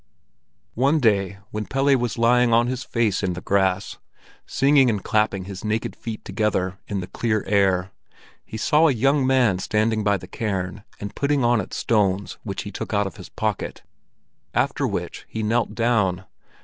One day when Pelle was lying on his face in the grass, singing and clapping his naked feet together in the clear air, he saw a young man standing by the cairn and putting on it stones which he took out of his pocket; after which he knelt down.